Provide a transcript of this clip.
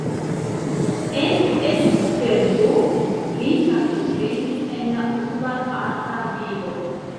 En Esztergom li partoprenis en la urba arta vivo.